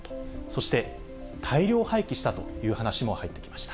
そして、大量廃棄したという話も入ってきました。